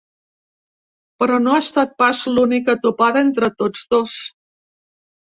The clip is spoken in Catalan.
Però no ha estat pas l’única topada entre tots dos.